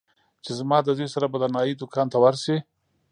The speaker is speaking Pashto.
چې زما د زوى سره به د نايي دوکان ته ورشې.